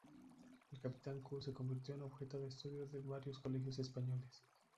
En "Capitán Q" se convirtió en objeto de estudio en varios colegios españoles.